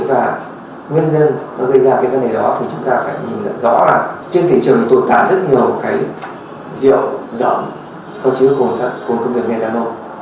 và nguyên nhân nó gây ra cái vấn đề đó thì chúng ta phải nhìn dẫn rõ là trên thị trường tồn tại rất nhiều cái rượu rẫm có chứa cồn sắt cồn công nghiệp methanol